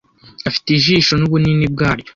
afite ijisho n'ubunini bwaryo